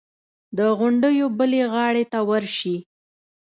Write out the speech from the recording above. د غونډیو بلې غاړې ته ورشي.